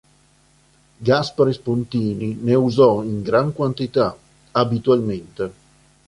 Gaspare Spontini ne usò in gran quantità, abitualmente.